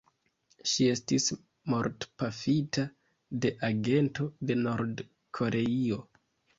Ŝi estis mortpafita de agento de Nord-Koreio.